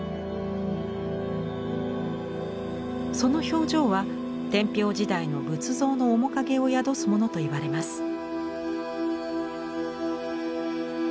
その表情は天平時代の仏像の面影を宿すものと言われます。